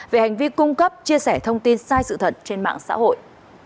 về hành vi cung cấp chia sẻ thông tin sai sự thật trên mạng xã hội